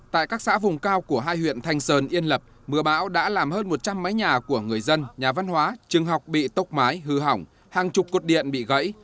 tại các xã vùng cao của hai huyện thanh sơn yên lập mưa bão đã làm hơn một trăm linh mái nhà của người dân nhà văn hóa trường học bị tốc mái hư hỏng hàng chục cột điện bị gãy